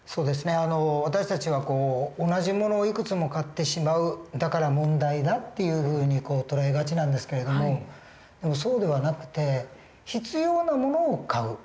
私たちは同じ物をいくつも買ってしまうだから問題だっていうふうに捉えがちなんですけれどもそうではなくて必要な物を買うそれが同じ物。